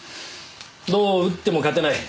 どう打っても勝てない。